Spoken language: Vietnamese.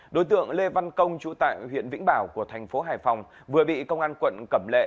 đối tượng lê văn công chú tại huyện vĩnh bảo của thành phố hải phòng vừa bị công an quận cẩm lệ